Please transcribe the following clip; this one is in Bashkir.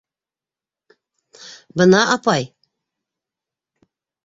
Бына, апай...